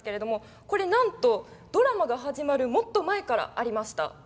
これ、なんと、ドラマが始まるもっと前からありました。